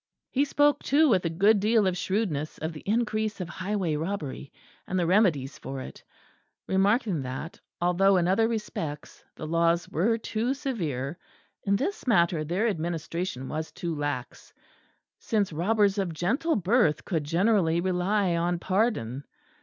He spoke, too, with a good deal of shrewdness of the increase of highway robbery, and the remedies for it; remarking that, although in other respects the laws were too severe, in this matter their administration was too lax; since robbers of gentle birth could generally rely on pardon.